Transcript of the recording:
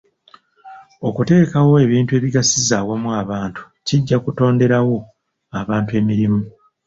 Okuteekawo ebintu ebigasiza awamu abantu kijja kutonderawo abantu emirimu.